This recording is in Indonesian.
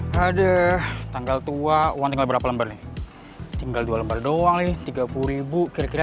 hai ada tanggal tua one tinggal berapa lembar nih tinggal dua lembar doang nih tiga puluh kira kira